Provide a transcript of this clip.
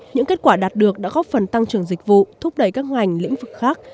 những kết quả đạt được đã góp phần tăng trưởng dịch vụ thúc đẩy các ngành lĩnh vực khác